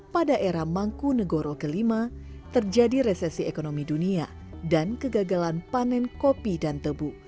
pada era mangku negoro ke lima terjadi resesi ekonomi dunia dan kegagalan panen kopi dan tebu